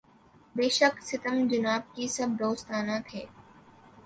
بے شک ستم جناب کے سب دوستانہ تھے